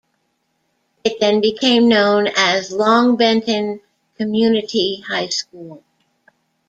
It then became known as Longbenton Community High School.